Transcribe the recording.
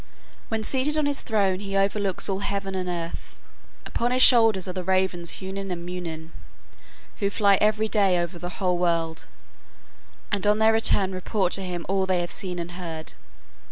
When seated on his throne he overlooks all heaven and earth. Upon his shoulders are the ravens Hugin and Munin, who fly every day over the whole world, and on their return report to him all they have seen and heard.